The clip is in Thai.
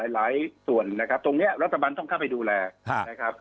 หลายส่วนนะครับตรงนี้รัฐบาลต้องเข้าไปดูแลนะครับ